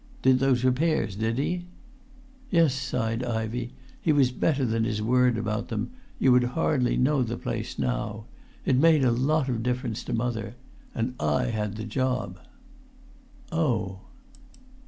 "Did those repairs, did he?" "Yes," sighed Ivey, "he was better than his word about them; you would hardly know the place now. It made a lot of difference to mother. And I had the job." "Oh!"